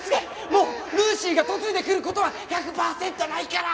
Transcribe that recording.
もうルーシーが嫁いでくる事は１００パーセントないから。